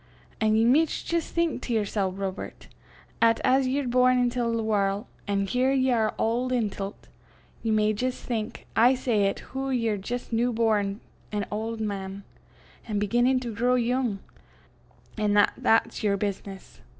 An' ye micht jist think to yersel', Robert, 'at as ye are born intil the warl', an' here ye are auld intil 't ye may jist think, I say, 'at hoo ye're jist new born an auld man, an' beginnin' to grow yoong, an' 'at that's yer business.